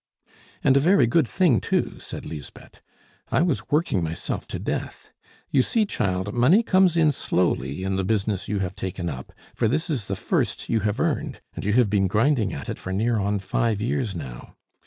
"And a very good thing too," said Lisbeth. "I was working myself to death. You see, child, money comes in slowly in the business you have taken up, for this is the first you have earned, and you have been grinding at it for near on five years now.